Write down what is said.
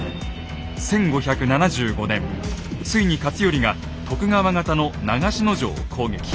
ついに勝頼が徳川方の長篠城を攻撃。